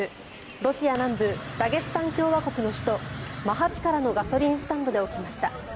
ロシア南部ダゲスタン共和国の首都マハチカラのガソリンスタンドで起きました。